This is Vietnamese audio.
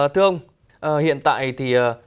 thưa ông hiện tại thì